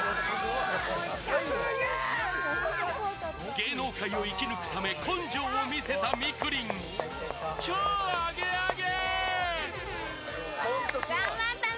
芸能界を生き抜くため、根性を見せたみくりん、超アゲアゲ！